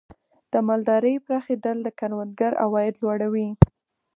د مالدارۍ پراخېدل د کروندګر عواید لوړوي.